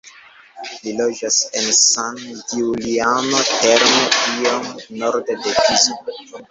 Li loĝas en San Giuliano Terme iom norde de Pizo.